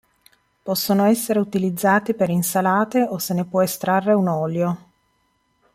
Possono essere utilizzati per insalate o se ne può estrarre un olio.